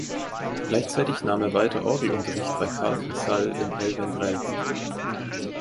Gleichzeitig nahm er weiter Orgelunterricht bei Carles Casals in El Vendrell.